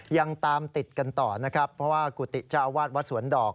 ยังตามติดกันต่อเพราะที่กุติเจ้าวาทวัดสวนดอก